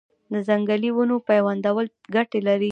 د ځنګلي ونو پیوندول ګټه لري؟